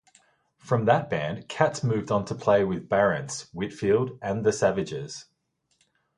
From that band, Katz moved on to play with Barrence Whitfield and the Savages.